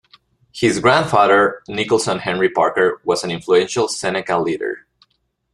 His grandfather Nicholson Henry Parker was an influential Seneca leader.